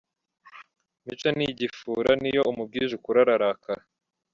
Mico ni igifura, n’iyo umubwije ukuri ararakara.